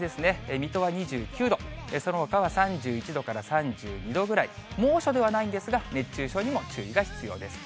水戸は２９度、そのほかは３１度から３２度くらい、猛暑ではないんですが、熱中症にも注意が必要です。